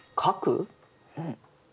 うん。